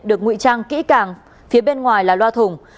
được ngụy trang kỹ càng phía bên ngoài là loa thùng